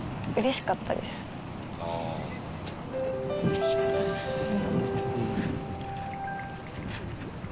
嬉しかったんだ。